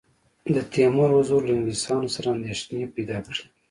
د تیمور حضور له انګلیسیانو سره اندېښنې پیدا کړې.